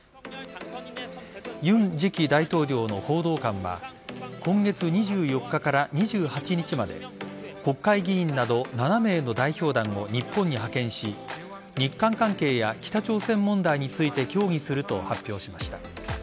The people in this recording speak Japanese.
尹次期大統領の報道官は今月２４日から２８日まで国会議員など７名の代表団を日本に派遣し日韓関係や北朝鮮問題について協議すると発表しました。